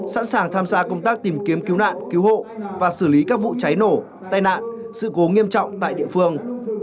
sẵn sàng tham gia công tác tìm kiếm cứu nạn cứu hộ và xử lý các vụ cháy nổ tai nạn sự cố nghiêm trọng tại địa phương